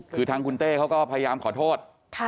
คือทางคุณเต้เขาก็พยายามขอโทษ